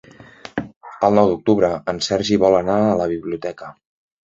El nou d'octubre en Sergi vol anar a la biblioteca.